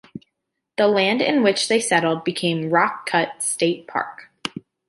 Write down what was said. The land in which they settled became Rock Cut State Park.